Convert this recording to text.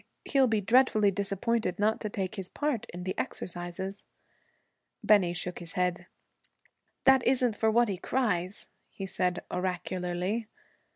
He'll be dreadfully disappointed not to take his part in the exercises.' Bennie shook his head. 'That isn't for what he cries,' he said oracularly.